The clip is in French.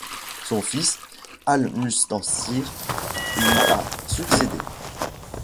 Son fils Al-Mustansir lui a succédé.